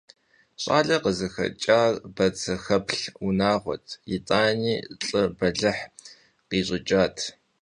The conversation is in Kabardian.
ЩӀалэр къызыхэкӀар бацэхэплъ унагъуэт, итӀани лӀы бэлыхъ къищӀыкӀат.